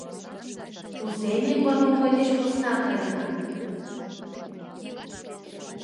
— Кузе ме кормовой деч посна каена?